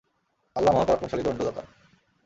আল্লাহ্ মহাপরাক্রমশালী দণ্ডদাতা।